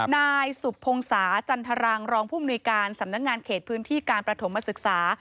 นายสุพงศาจันทรังรองผู้มนุยการสำนักงานเขตพื้นที่การประถมศึกษา